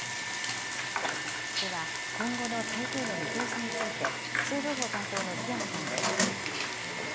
では、今後の台風の見通しについて、気象情報担当の檜山さんです。